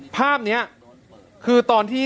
ภาพนี้คือตอนที่